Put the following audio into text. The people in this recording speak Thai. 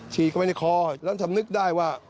ฉีดไว้ในคอแล้วฉันนึกได้ว่า